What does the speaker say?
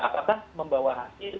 apakah membawa hasil